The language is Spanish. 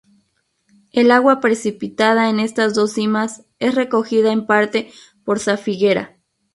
El agua precipitada en estas dos cimas es recogida en parte por Sa Figuera.